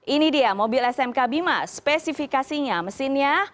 ini dia mobil smk bima spesifikasinya mesinnya